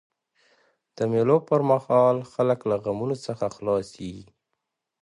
د مېلو پر مهال خلک له غمونو څخه خلاص يي.